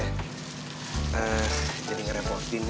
eh jadi ngerepotin ya